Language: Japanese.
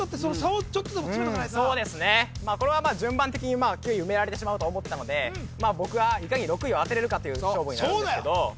ここはそうですねこれはまあ順番的に９位埋められてしまうと思ってたのでまあ僕はいかに６位を当てれるかという勝負になるんですけどそうだよ